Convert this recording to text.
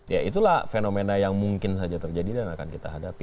ya itulah fenomena yang mungkin saja terjadi dan akan kita hadapi